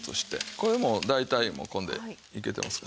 これもう大体これでいけてますわ。